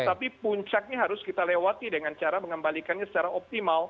tetapi puncaknya harus kita lewati dengan cara mengembalikannya secara optimal